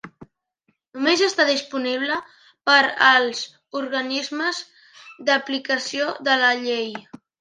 Només està disponible per als organismes d'aplicació de la llei.